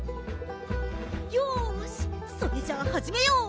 よしそれじゃあはじめよう。